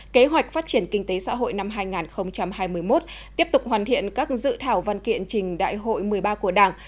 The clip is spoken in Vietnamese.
kế hoạch phát triển kinh tế xã hội năm hai nghìn hai mươi một tiếp tục hoàn thiện các dự thảo văn kiện trình đại hội một mươi ba của đảng